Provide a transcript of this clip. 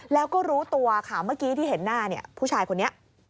แล้วก็รู้ตัวค่ะเมื่อกี้ที่เห็นหน้าผู้ชายคนนี้